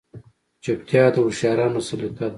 چوپتیا، د هوښیارانو سلیقه ده.